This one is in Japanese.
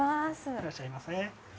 いらっしゃいませ。